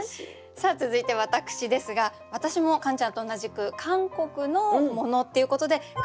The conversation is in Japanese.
さあ続いて私ですが私もカンちゃんと同じく韓国のものっていうことで韓国語入れたいなと。